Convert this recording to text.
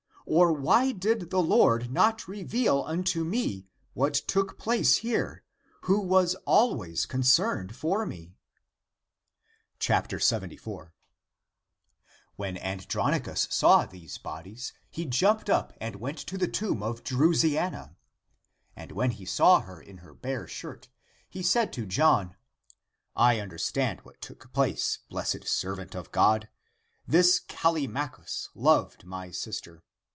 Or why did the Lord not reveal unto me what took place here, who was always concerned for me? " 74. When Andronicus saw these bodies, he jumped up and went to the tomb of Drusiana, And when he saw her in her bare shirt, he said to John, " I understand what took place, blessed serv and of God. This Callimachus loved my sister.